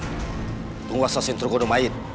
untuk menguasai turgodo main